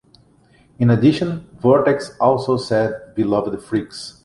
In addition, Vortex also said Beloved freaks!